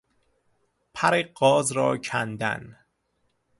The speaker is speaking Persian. پر غاز را کندن